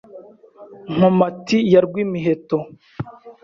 Nkomati ya Rwimiheto